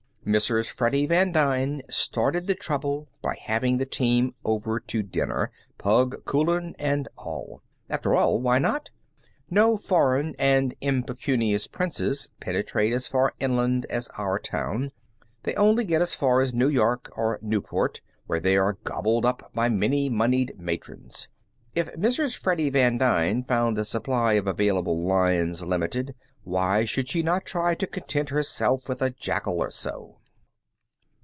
Mrs. Freddy Van Dyne started the trouble by having the team over to dinner, "Pug" Coulan and all. After all, why not? No foreign and impecunious princes penetrate as far inland as our town. They get only as far as New York, or Newport, where they are gobbled up by many moneyed matrons. If Mrs. Freddy Van Dyne found the supply of available lions limited, why should she not try to content herself with a jackal or so?